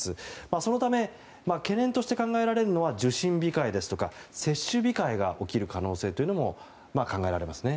そのため懸念として考えられるのが受診控えですとか接種控えが起きる可能性も考えられますね。